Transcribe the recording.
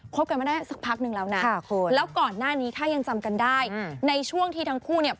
กันมาได้สักพักนึงแล้วนะแล้วก่อนหน้านี้ถ้ายังจำกันได้ในช่วงที่ทั้งคู่เนี่ย